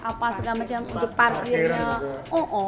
apa segala macam untuk parkirnya oo